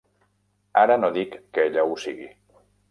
Ara no dic que ella ho sigui.